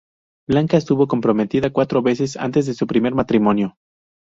Blanca estuvo comprometida cuatro veces antes de su primer matrimonio.